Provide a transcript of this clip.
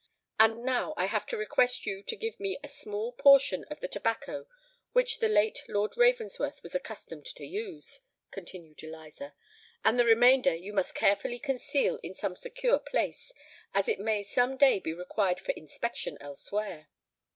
"And now I have to request you to give me a small portion of the tobacco which the late Lord Ravensworth was accustomed to use," continued Eliza; "and the remainder you must carefully conceal in some secure place, as it may some day be required for inspection elsewhere."